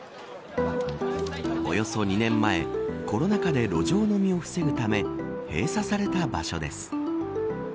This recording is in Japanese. およそ２年前コロナ禍で路上飲みを防ぐため閉鎖された場所です。